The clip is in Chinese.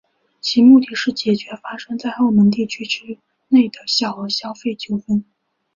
其目标是解决发生在澳门地区内之小额消费纠纷。